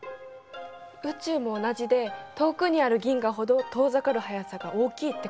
宇宙も同じで遠くにある銀河ほど遠ざかる速さが大きいってことなのね。